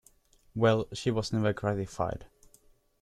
Well, she was never gratified.